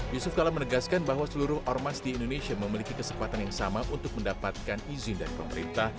yusuf kala menegaskan bahwa seluruh ormas di indonesia memiliki kesempatan yang sama untuk mendapatkan izin dari pemerintah